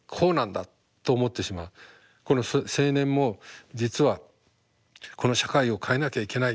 この青年も実は「この社会を変えなきゃいけない。